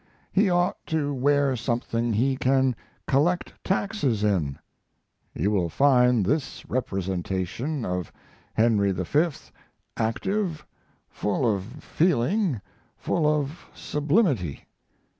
He ought to wear something he can collect taxes in. You will find this representation of Henry V. active, full of feeling, full of sublimity.